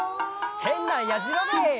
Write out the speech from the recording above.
「へんなやじろべえ」